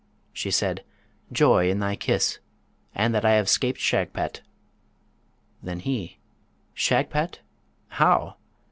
She said, 'Joy in thy kiss, and that I have 'scaped Shagpat.' Then he: 'Shagpat? How?